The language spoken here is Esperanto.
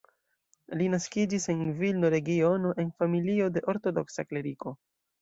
Li naskiĝis en Vilno-regiono en familio de ortodoksa kleriko.